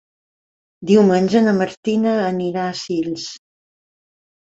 Diumenge na Martina anirà a Sils.